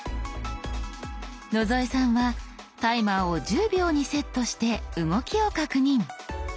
野添さんはタイマーを１０秒にセットして動きを確認。